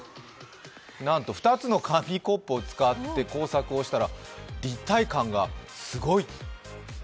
なんと２つの紙コップを使って工作をしたら立体感がすごい。